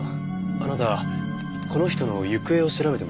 あなたこの人の行方を調べてましたよね？